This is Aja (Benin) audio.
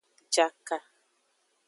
Jaka.